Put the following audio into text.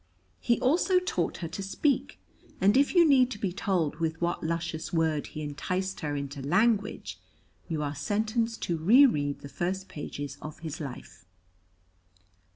He also taught her to speak, and if you need to be told with what luscious word he enticed her into language you are sentenced to re read the first pages of his life.